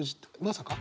まさか。